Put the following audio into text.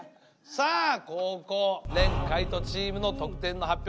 さあ後攻廉海人チームの得点の発表